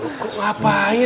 ustazah nuri ngapain disini